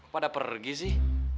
kok pada pergi sih